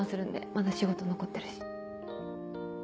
まだ仕事残ってるし。